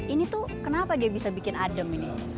ini tuh kenapa dia bisa bikin adem ini